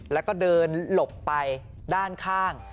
แล้วก็เดินหลบไปด้านข้าง